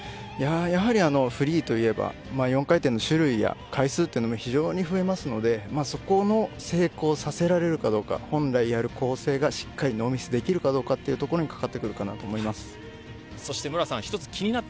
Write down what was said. やはりフリーといえば４回転の種類や回数というのも非常に増えますのでそこを成功させられるかどうか本来やる構成がしっかりノーミスでできるかというところにかかってくると思います。